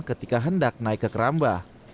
ketika hendak naik ke keramba